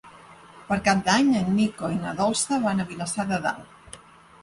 Per Cap d'Any en Nico i na Dolça van a Vilassar de Dalt.